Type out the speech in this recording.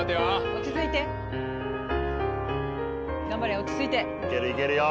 落ち着いて頑張れ落ち着いていけるいけるよ